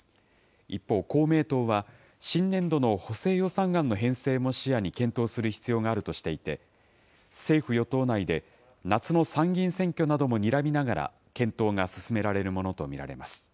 一方、公明党は、新年度の補正予算案の編成も視野に検討する必要があるとしていて、政府・与党内で、夏の参議院選挙などもにらみながら、検討が進められるものと見られます。